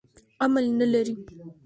عمل نه لري.